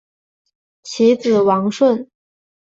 其子王舜。